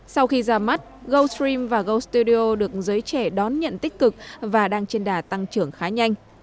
sau khi ra mắt goldstream và goldstudio được giới trẻ đón nhận tích cực và đang trên đà tăng trưởng khá nhanh